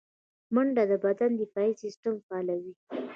منډه د بدن دفاعي سیستم فعالوي